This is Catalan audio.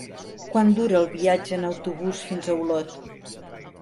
Quant dura el viatge en autobús fins a Olot?